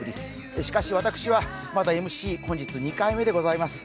しかし、私はまだＭＣ、本日２回目でございます。